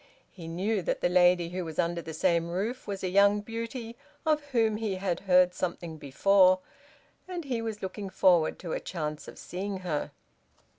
He knew that the lady who was under the same roof was a young beauty of whom he had heard something before, and he was looking forward to a chance of seeing her.